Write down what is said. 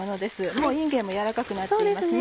もういんげんも軟らかくなっていますね。